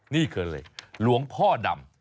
นี่คือเลยหลวงพ่อดำ